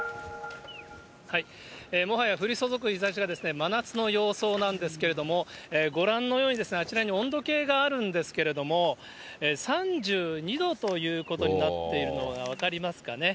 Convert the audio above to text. もはや降り注ぐ日ざしが真夏の様相なんですけども、ご覧のように、あちらに温度計があるんですけれども、３２度ということになっているのが分かりますかね。